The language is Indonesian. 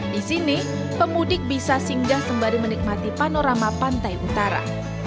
di sini pemudik bisa singgah sembari menikmati panorama pantai utara